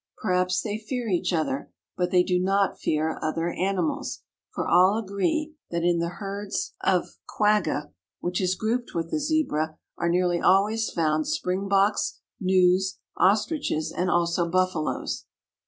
Perhaps they fear each other, but they do not fear other animals, for all agree that in the herds of quagga (which is grouped with the Zebra) are nearly always found spring boks, gnus, ostriches and also buffalos.